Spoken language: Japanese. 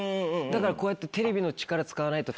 だからこうやって。